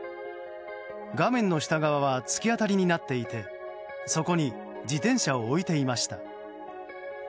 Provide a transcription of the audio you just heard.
画面の下側は突き当たりになっていてそこに自転車を置いていました。